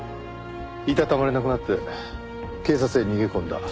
居たたまれなくなって警察へ逃げ込んだ。